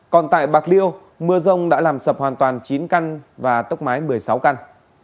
còn tại bạc liêu mưa rông đã làm sập hoàn toàn chín căn và tốc mái một mươi sáu căn